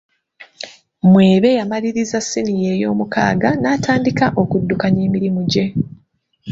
Mwebe yamaliriza ssiniya eyomukaaga n'atandika okuddukanya emirimu gye